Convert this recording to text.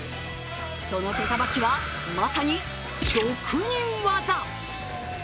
その手さばきは、まさに職人技。